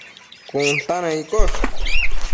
cun ta na iccosh